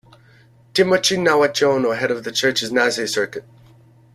Timoci Nawaciono, head of the church's Nasea circuit.